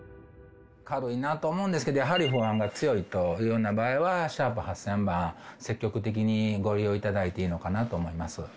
軽いなと思うんですけれども、やはり不安が強いというような場合は、＃８０００、積極的にご利用いただいていいのかなと思います。